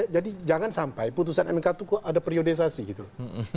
jadi jangan sampai putusan mk itu ada periodisasi gitu loh